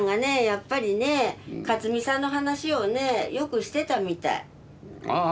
やっぱりね克己さんの話をねよくしてたみたい。ああ。